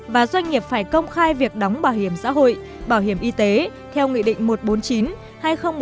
và doanh nghiệp phải công khai việc đóng bảo hiểm xã hội bảo hiểm y tế theo nghị định một trăm bốn mươi chín